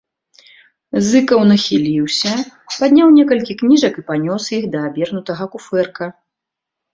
Зыкаў нахіліўся, падняў некалькі кніжак і панёс іх да абернутага куфэрка.